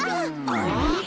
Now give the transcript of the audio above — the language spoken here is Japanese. あれ？